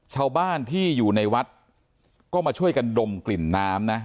ชาวบ้านที่อยู่ในวัดก็มาช่วยกันดมกลิ่นน้ำนะ